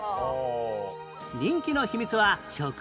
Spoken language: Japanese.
人気の秘密は食事にも